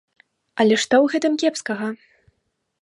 Але што ў гэтым кепскага?